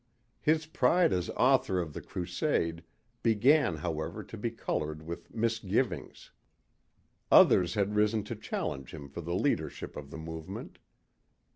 His pride as author of the crusade began however to be colored with misgivings. Others had risen to challenge him for the leadership of the movement.